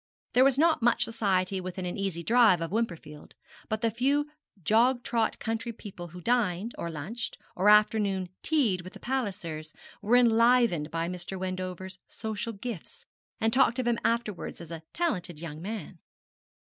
There was not much society within an easy drive of Wimperfield, but the few jog trot county people who dined, or lunched, or afternoon tea'd with the Pallisers were enlivened by Mr. Wendover's social gifts, and talked of him afterwards as a talented young man.